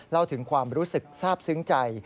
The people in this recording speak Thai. เล่าถึงความรู้สึกทราบซึ้งใจ